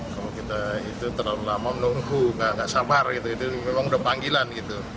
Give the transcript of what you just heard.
kalau kita itu terlalu lama menunggu gak sabar itu memang udah panggilan